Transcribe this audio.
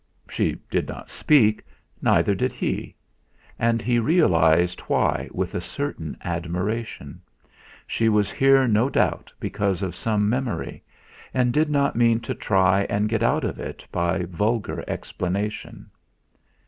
She did not speak, neither did he; and he realized why with a certain admiration. She was here no doubt because of some memory, and did not mean to try and get out of it by vulgar explanation.